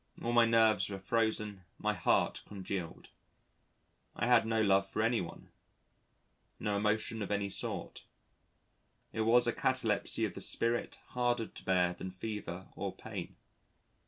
All my nerves were frozen, my heart congealed. I had no love for anyone ... no emotion of any sort. It was a catalepsy of the spirit harder to bear than fever or pain....